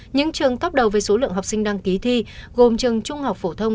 những trường tóc đầu về số lượng học sinh đăng ký thi gồm trường trung học phổ thông